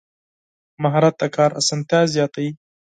مهارت د کار اسانتیا زیاتوي.